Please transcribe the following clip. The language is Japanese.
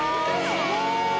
すごい！